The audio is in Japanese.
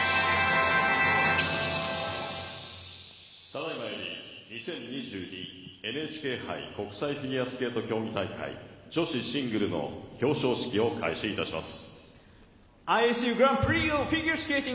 ただいまより、２０２２ＮＨＫ杯国際フィギュアスケート大会女子シングルの表彰式を開始いたします。